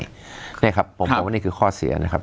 นี่ครับผมบอกว่านี่คือข้อเสียนะครับ